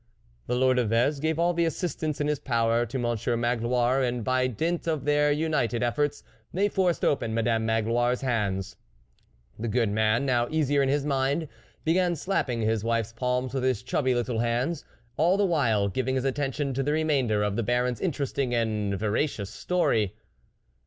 The Lord of Vez gave all the assist ance in his power to Monsieur Magloire, and by dint of their united efforts they forced open Madame Magloire's hands. The good man, now easier in his mind, began slapping his wife's palms with his chubby little hands, all the while giving his attention to the remainder of the Baron's interesting and veracious story.